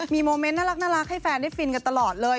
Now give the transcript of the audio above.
มีโมเมนต์น่ารักให้แฟนได้ฟินกันตลอดเลย